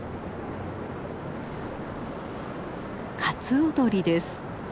カツオドリです。